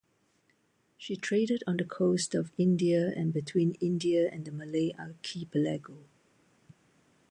She traded on the coast of India and between India and the Malay archipelago.